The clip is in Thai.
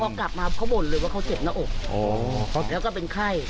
พอกลับมาเขาบ่นเลยว่าเขาเจ็บหน้าอกแล้วก็เป็นไข้